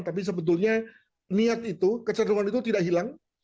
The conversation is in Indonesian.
tapi sebetulnya niat itu kecenderungan itu tidak hilang